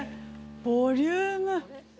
ボリューム。